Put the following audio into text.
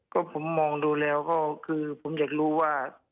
ก็ผมมองดูแล้วก็คือผมอยากรู้ว่า